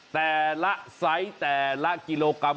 แต่ละไซส์แต่ละกิโลกรัม